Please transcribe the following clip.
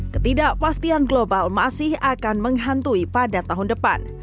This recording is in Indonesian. ketidakpastian global masih akan menghantui pada tahun depan